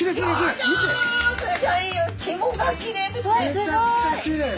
めちゃくちゃきれい。